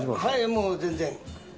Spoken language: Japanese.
はいもう全然。